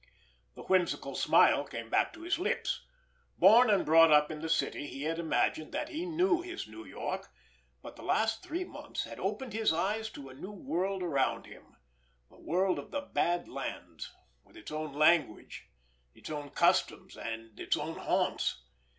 The whimsical smile came back to his lips. Born and brought up in the city, he had imagined that he knew his New York; but the last three months had opened his eyes to a new world around him—the world of the Bad Lands, with its own language, its own customs and its own haunts.